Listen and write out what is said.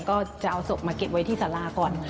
ก็จะเอาศพมาเก็บไว้ที่สาราก่อน